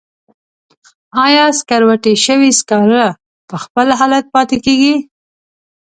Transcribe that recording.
آیا سکروټې شوي سکاره په خپل حالت پاتې کیږي؟